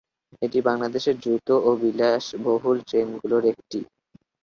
এটি বাংলাদেশের দ্রুত ও বিলাসবহুল ট্রেন গুলোর একটি।